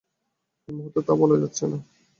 এই মুহূর্তে তা বলা যাচ্ছে না।